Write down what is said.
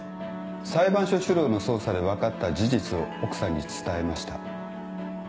裁判所主導の捜査で分かった事実を奥さんに伝えました。